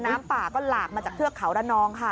น้ำป่าก็หลากมาจากเทือกเขาระนองค่ะ